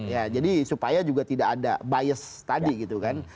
ya jadi supaya juga tidak ada bias tadi gitu kan